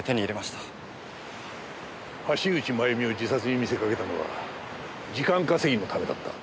橋口まゆみを自殺に見せかけたのは時間稼ぎのためだった。